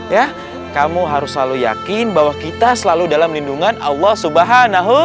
ya kamu harus selalu yakin bahwa kita selalu dalam lindungan allah swt